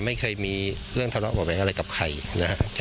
ไม่เคยมีเรื่องทะเลาะบอกแบบอะไรกับใครนะฮะ